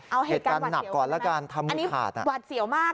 เอาเหตุการณ์หวัดเสี่ยวมากนะครับอันนี้หวัดเสี่ยวมากค่ะ